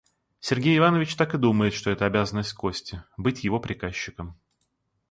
Сергей Иванович так и думает, что это обязанность Кости — быть его приказчиком.